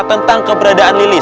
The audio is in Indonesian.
tentang keberadaan lili